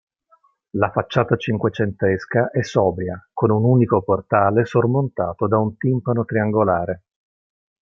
La facciata cinquecentesca è sobria, con un unico portale sormontato da un timpano triangolare.